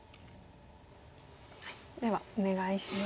ではお願いします。